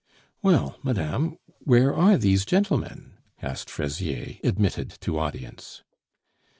"Well, madame, where are these gentlemen?" asked Fraisier, admitted to audience.